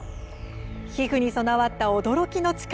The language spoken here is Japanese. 皮膚に備わった驚きの力